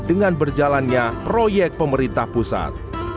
dengan berjalannya proyek pemerintah pusat